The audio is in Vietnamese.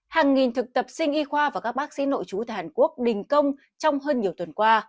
hàng nghìn thực tập sinh y khoa và các bác sĩ nội chú tại hàn quốc đình công trong hơn nhiều tuần qua